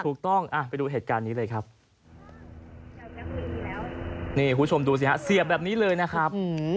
ถูกต้องไปดูเหตุการณ์นี้เลยครับ